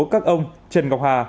các ông trần ngọc hà